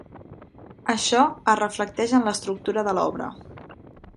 Això es reflecteix en l'estructura de l'obra.